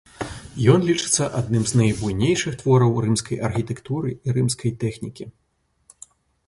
Ён лічыцца адным з найбуйнейшых твораў рымскай архітэктуры і рымскай тэхнікі.